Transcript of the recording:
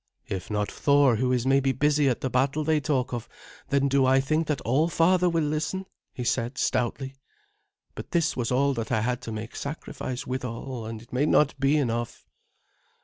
"If not Thor, who is maybe busy at the battle they talk of, then do I think that All Father will listen," he said stoutly. "But this was all that I had to make sacrifice withal, and it may not be enough."